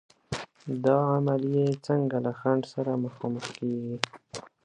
دا عملیې څنګه له خنډ سره مخامخ کېږي؟